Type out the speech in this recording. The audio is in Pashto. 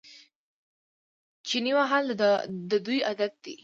چنې وهل د دوی عادت دی.